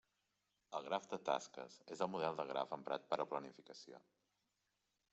El graf de tasques és el model de graf emprat per a planificació.